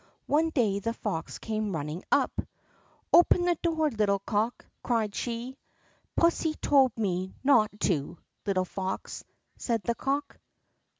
One day the fox came running up: "Open the door, little cock!" cried she. "Pussy told me not to, little fox!" said the cock.